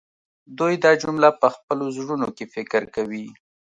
دوی دا جمله په خپلو زړونو کې فکر کوي